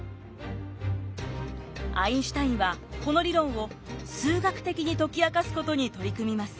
アインシュタインはこの理論を数学的に解き明かすことに取り組みます。